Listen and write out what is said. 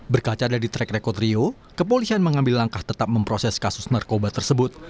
berkaca dari track record rio kepolisian mengambil langkah tetap memproses kasus narkoba tersebut